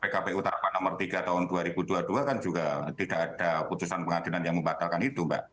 pkpu tahapan nomor tiga tahun dua ribu dua puluh dua kan juga tidak ada putusan pengadilan yang membatalkan itu mbak